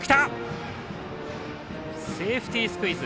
セーフティースクイズ。